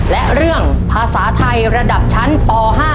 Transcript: และเรื่องภาษาไทยระดับชั้นป๕